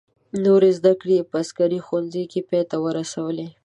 نورې زده کړې یې په عسکري ښوونځي کې پای ته ورسولې.